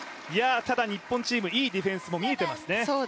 ただ、日本チームいいディフェンスも見えています。